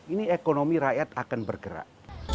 ini ekonomi rakyat akan bergerak